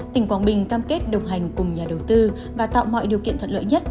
tỉnh quảng bình cam kết đồng hành cùng nhà đầu tư và tạo mọi điều kiện thuận lợi nhất